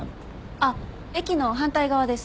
あっ駅の反対側です。